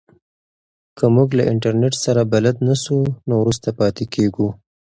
که موږ له انټرنیټ سره بلد نه سو نو وروسته پاتې کیږو.